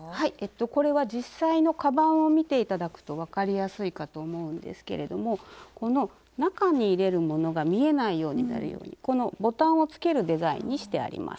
これは実際のかばんを見て頂くと分かりやすいかと思うんですけれどもこの中に入れるものが見えないようになるようにボタンをつけるデザインにしてあります。